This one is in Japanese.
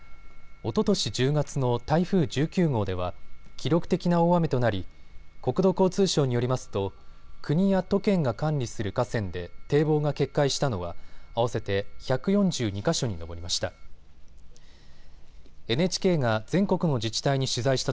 おととし１０月の台風１９号では記録的な大雨となり国土交通省によりますと国や都県が管理する河川で堤防が決壊したのは合わせて１４２か所に上りました。